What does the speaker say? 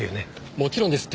もちろんですって！